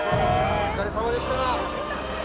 お疲れさまでした。